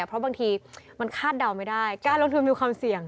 เพราะบางทีมันคาดเดาไม่ได้การลงทุนมีความเสี่ยง